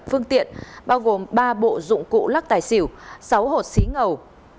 phương tiện bao gồm ba bộ dụng cụ lắc tài xỉu sáu hột xí ngầu